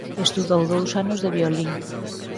Estudou dous anos de violín.